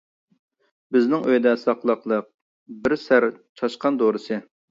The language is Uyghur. بىزنىڭ ئۆيدە ساقلاقلىق، بىر سەر چاشقان دورىسى.